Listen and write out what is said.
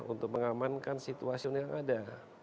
untuk mengamankan situasional yang ada